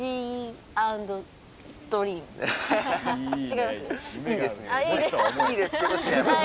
違います？